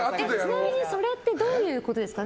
ちなみにそれってどういうことですか？